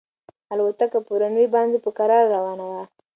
الوتکه په رن وې باندې په کراره روانه وه.